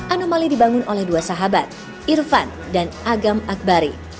anomali dibangun oleh dua sahabat irfan dan agam akbari